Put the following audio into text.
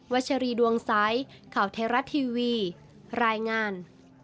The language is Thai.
ัชรีดวงใสข่าวเทราะทีวีรายงาน